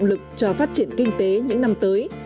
coi là động lực cho phát triển kinh tế những năm tới